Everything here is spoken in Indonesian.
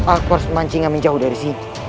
aku harus memancingan menjauh dari sini